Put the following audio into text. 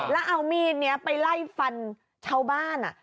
แล้วเอามีดนี้ไปไล่ฟันชาวบ้าน